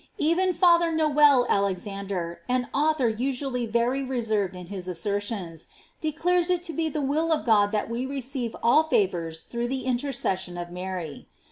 Even Father Noel Alexander, an author usually very reserved in his assertions, declares it to be the will of God that we receive all f avore through the intercession of Mary.